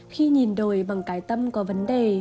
khi nhìn đồi bằng cái tâm có vấn đề